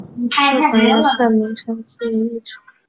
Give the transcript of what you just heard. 这款游戏的名称基于一出。